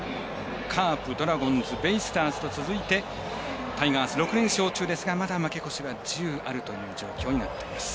カープ、ドラゴンズベイスターズと続いてタイガース６連勝中ですがまだ負け越しが１０あるという状況になっています。